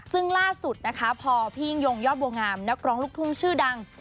ซึ่งล่าสุดนะคะพอพี่ยิ่งยงยอดบัวงามนักร้องลูกทุ่งชื่อดัง